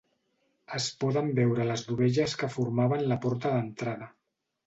Es poden veure les dovelles que formaven la porta d'entrada.